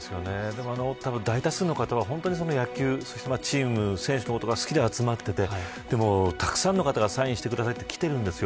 たぶん、大多数の方は野球やチームや選手のことが好きで集まっていてたくさんの方がサインしてくださいって来てるんです。